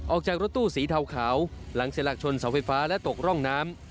ออกจากรถตู้สีเทาขาวหลังเสียหลักชนเสาไฟฟ้าและตกร่องน้ำ